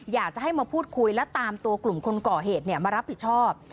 อยากจะให้มาพูดคุยและตามตัวกลุ่มคนก่อเหตุมารับผิดชอบ